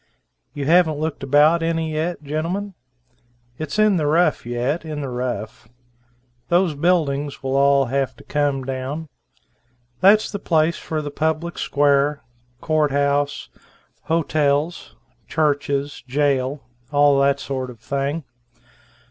You haven't looked about any yet, gentlemen? It's in the rough yet, in the rough. Those buildings will all have to come down. That's the place for the public square, Court House, hotels, churches, jail all that sort of thing.